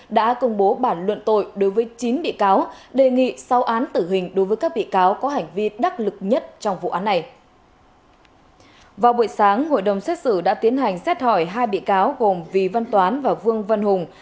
vào buổi sáng hội đồng xét xử đã tiến hành xét hỏi hai bị cáo gồm vy văn toán và vương văn hùng